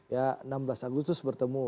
ya enam belas agustus bertemu